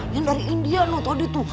yang dari indiana tadi tuh